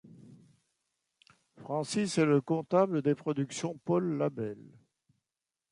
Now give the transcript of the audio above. Francis est le comptable des Productions Paul Labelle.